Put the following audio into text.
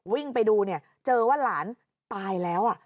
วิ่งไปดูเนี่ยเจอว่าหลานตายแล้ว